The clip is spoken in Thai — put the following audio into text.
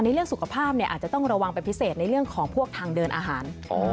เรื่องสุขภาพเนี่ยอาจจะต้องระวังเป็นพิเศษในเรื่องของพวกทางเดินอาหาร